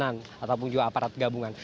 ataupun juga aparat gabungan